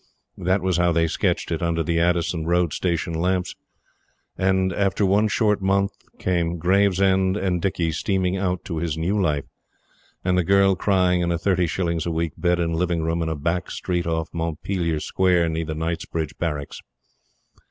That was how they sketched it under the Addison Road Station lamps; and, after one short month, came Gravesend and Dicky steaming out to his new life, and the girl crying in a thirty shillings a week bed and living room, in a back street off Montpelier Square near the Knightsbridge Barracks.